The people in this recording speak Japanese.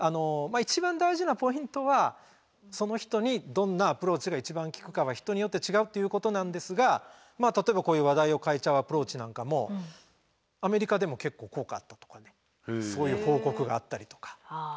一番大事なポイントはその人にどんなアプローチが一番効くかは人によって違うっていうことなんですが例えばこういう話題を変えちゃうアプローチなんかもそういう報告があったりとか。